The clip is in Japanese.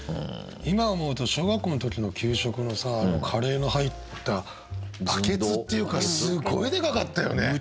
今思うと小学校の時の給食のさカレーの入ったバケツっていうかすごいでかかったよね。